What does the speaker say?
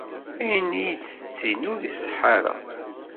Ayen ay d-tettini ur iṣeḥḥa ara.